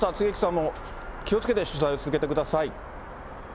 槻木さんも気をつけて取材を続けてください。